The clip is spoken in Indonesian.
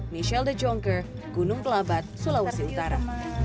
michelle dejongker gunung kelabat sulawesi utara